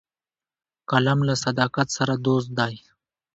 قلم له صداقت سره دوست دی